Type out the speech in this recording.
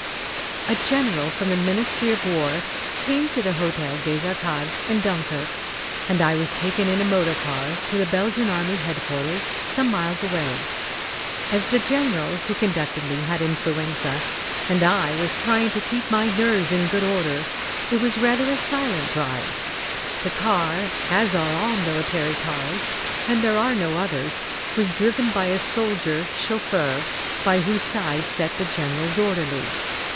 A general from the Ministry of War came to the Hôtel des Arcades, in Dunkirk, and I was taken in a motor car to the Belgian Army headquarters some miles away. As the general who conducted me had influenza, and I was trying to keep my nerves in good order, it was rather a silent drive. The car, as are all military cars and there are no others was driven by a soldier chauffeur by whose side sat the general's orderly.